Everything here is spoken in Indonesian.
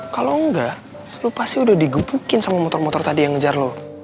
kalo enggak lu pasti udah digebukin sama motor motor tadi yang ngejar lu